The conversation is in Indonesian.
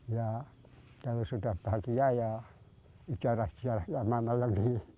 ya kalau sudah bahagia ya ijarah ijarah sama malam lagi